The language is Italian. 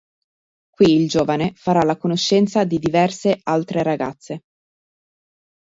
Qui il giovane farà la conoscenza di diverse altre ragazze.